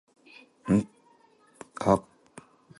She toured in Northern Germany.